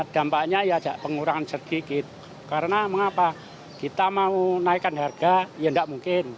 dampaknya ya pengurangan sedikit karena mengapa kita mau naikkan harga ya tidak mungkin